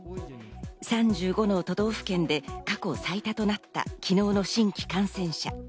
３５の都道府県で過去最多となった昨日の新規感染者。